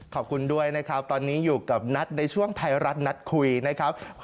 ขอบคุณด้วยนะครับตอนนี้อยู่กับนัทในช่วงไทยรัฐนัดคุยนะครับ